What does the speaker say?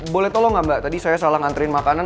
boleh tolong nggak mbak tadi saya salah ngantri makanan